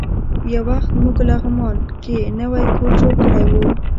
یو وخت موږ لغمان کې نوی کور جوړ کړی و.